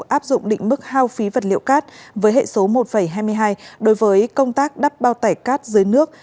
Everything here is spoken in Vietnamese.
áp dụng định mức hao phí vật liệu cát với hệ số một hai mươi hai đối với công tác đắp bao tải cát dưới nước